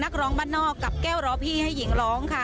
ร้องบ้านนอกกับแก้วรอพี่ให้หญิงร้องค่ะ